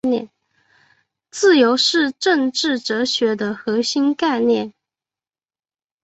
自由是政治哲学的核心概念。